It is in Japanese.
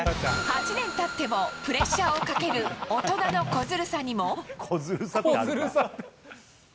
８年たっても、プレッシャーをかける大人の小ずるさにも。